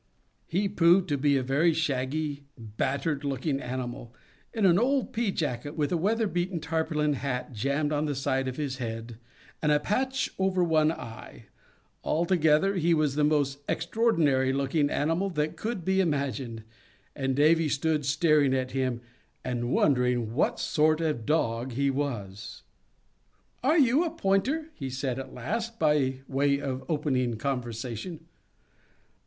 He proved to be a very shaggy, battered looking animal, in an old pea jacket, with a weather beaten tarpaulin hat jammed on the side of his head, and a patch over one eye; altogether he was the most extraordinary looking animal that could be imagined, and Davy stood staring at him, and wondering what sort of a dog he was. "Are you a pointer?" he said at last, by way of opening conversation.